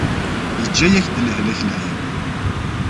Yeǧǧa-yak-d lehlak lɛib.